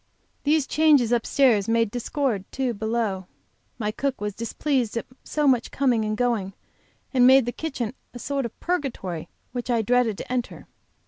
These changes upstairs made discord; too, below. My cook was displeased at so much coming and going, and made the kitchen a sort of a purgatory which I dreaded to enter.